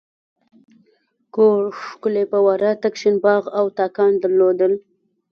کور ښکلې فواره تک شین باغ او تاکان درلودل.